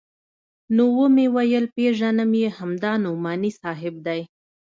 نو ومې ويل پېژنم يې همدا نعماني صاحب دى.